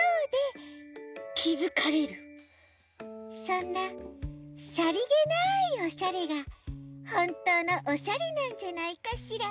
そんなさりげないおしゃれがほんとうのおしゃれなんじゃないかしら。